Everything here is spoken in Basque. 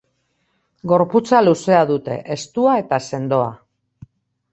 Gorputza luzea dute, estua eta sendoa.